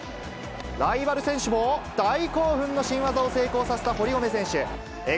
ライバル選手も大興奮の新技を成功させた堀米選手。